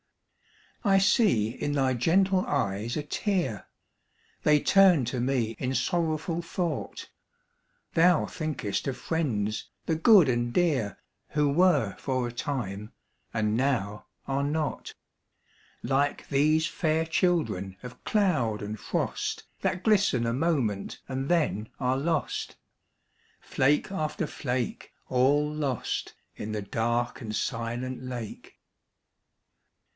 I see in thy gentle eyes a tear ; They turn to me in sorrowful thought ; Thou thinkest of friends, the good and dear, Who were for a time, and now are not ; Like these fair children of cloud and frost, That glisten a moment and then are lost. Flake after flake — All lost in the dark and silent lake.